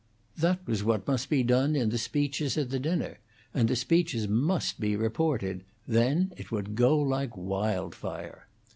That was what must be done in the speeches at the dinner, and the speeches must be reported. Then it would go like wildfire.